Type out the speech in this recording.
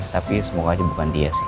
tapi semoga aja bukan dia sih